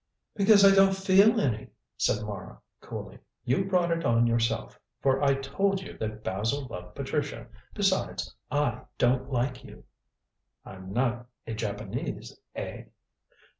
"Because I don't feel any," said Mara coolly. "You brought it on yourself, for I told you that Basil loved Patricia. Besides, I don't like you." "I'm not a Japanese. Eh?"